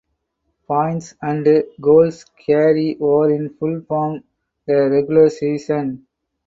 Points and goals carry over in full from the regular season.